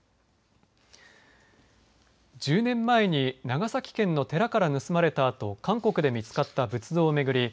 １０年前に長崎県の寺から盗まれたあと韓国で見つかった仏像を巡り